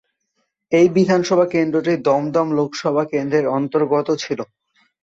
এই বিধানসভা কেন্দ্রটি দমদম লোকসভা কেন্দ্রের অন্তর্গত ছিল।